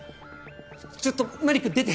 ちょっとマリック出て！